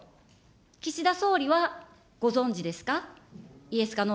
岸田総理は、ご存じですか。